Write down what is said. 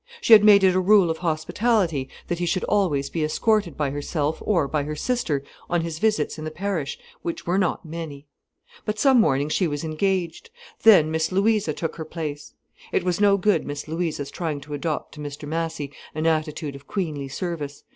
She had made it a rule of hospitality that he should always be escorted by herself or by her sister on his visits in the parish, which were not many. But some mornings she was engaged. Then Miss Louisa took her place. It was no good Miss Louisa's trying to adopt to Mr Massy an attitude of queenly service.